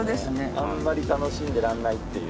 あんまり楽しんでらんないっていう。